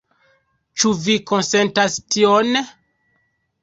Ĉu vi konsentas tion?